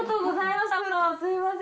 すみません。